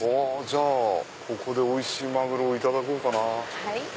じゃあここでおいしいマグロをいただこうかな。